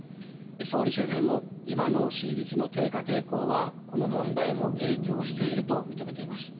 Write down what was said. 総理周辺も今の支持率の低下傾向はこの問題も影響していると認めています。